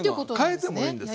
変えてもいいんですよ。